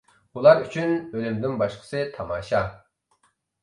ئۇلار ئۈچۈن ئۆلۈمدىن باشقىسى تاماشا.